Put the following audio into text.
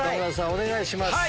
お願いします。